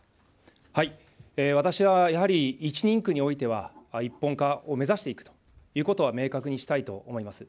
私はやはり、１人区においては、一本化を目指していくということは明確にしたいと思います。